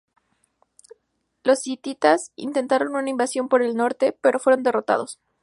Los hititas intentaron una invasión por el norte, pero fueron derrotados.